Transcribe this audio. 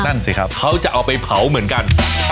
สิครับเขาจะเอาไปเผาเหมือนกัน